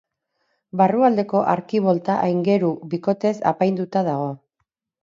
Barrualdeko arkibolta aingeru-bikotez apainduta dago.